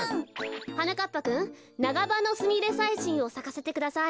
はなかっぱくんナガバノスミレサイシンをさかせてください。